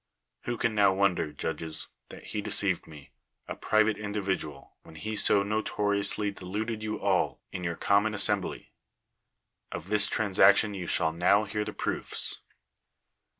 Who can now wonder, judges, that he deceived me, a private individual, when he so notoriously deluded you all in your common assembly? Of this transac tion you shall now hear the proofs.